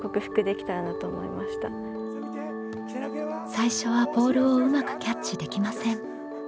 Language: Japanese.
最初はボールをうまくキャッチできません。